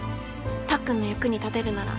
たっくんの役に立てるなら。